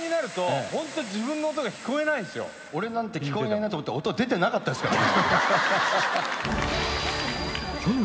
俺なんて聞こえないなと思ったら音出てなかったですからね。